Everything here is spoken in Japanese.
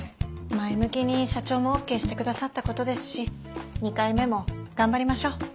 前向きに社長もＯＫして下さったことですし２回目も頑張りましょう。